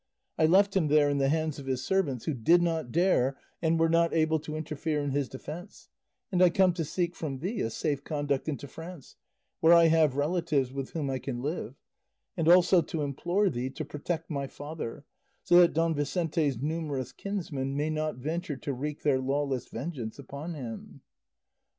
I left him there in the hands of his servants, who did not dare and were not able to interfere in his defence, and I come to seek from thee a safe conduct into France, where I have relatives with whom I can live; and also to implore thee to protect my father, so that Don Vicente's numerous kinsmen may not venture to wreak their lawless vengeance upon him."